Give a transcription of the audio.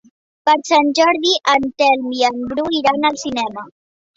Per Sant Jordi en Telm i en Bru iran al cinema.